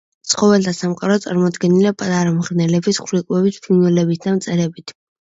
ცხოველთა სამყარო წარმოდგენილია პატარა მღრღნელებით, ხვლიკებით, ფრინველებით და მწერებით.